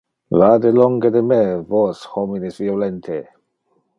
Vade longe de me, vos, homines violente!